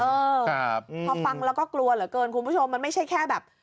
เออครับพอฟังแล้วก็กลัวเหลือเกินคุณผู้ชมมันไม่ใช่แค่แบบ